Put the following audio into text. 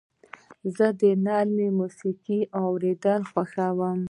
زه د نرمې موسیقۍ اورېدل خوښوم.